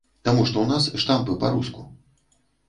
Таму што ў нас штампы па-руску.